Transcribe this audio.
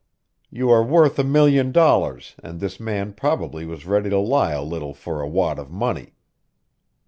You are worth a million dollars, and this man probably was ready to lie a little for a wad of money."